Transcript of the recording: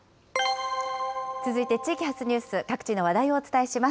続いて地域発ニュース、各地の話題をお伝えします。